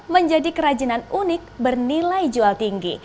menjadi kerajinan unik bernilai jual tinggi